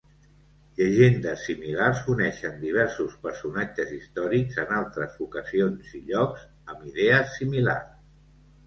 Llegendes similars uneixen diversos personatges històrics en altres ocasions i llocs amb idees similars.